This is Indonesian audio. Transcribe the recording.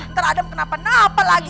ntar adam kenapa napa lagi